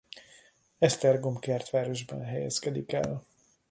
Esztergom-Kertvárosban helyezkedik el.